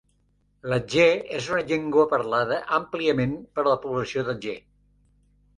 L'atjeh és una llengua parlada àmpliament per la població d'Atjeh.